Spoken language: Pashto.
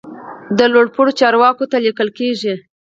دا لوړ پوړو چارواکو ته لیکل کیږي.